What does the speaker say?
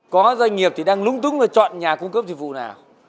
có doanh nghiệp thì đang lung tung là chọn nhà cung cấp thì vụ nào